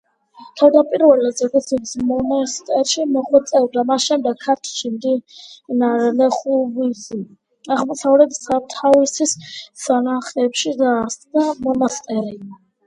თავდაპირველად ზედაზნის მონასტერში მოღვაწეობდა, შემდეგ ქართლში მდინარე ლეხურის აღმოსავლეთით, სამთავისის სანახებში, დააარსა მონასტერი.